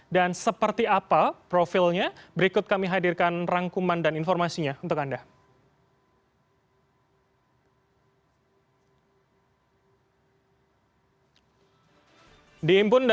dan seperti apa profilnya berikut kami hadirkan rangkuman dan informasinya untuk anda